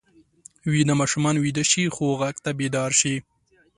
ویده ماشومان ویده شي خو غږ ته بیدار شي